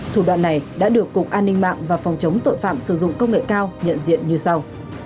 thủ đoạn này đã được cục an ninh mạng và phòng chống tội phạm sử dụng công nghệ cao nhận diện như sau